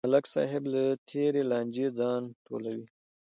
ملک صاحب له تېرې لانجې ځان ټولوي.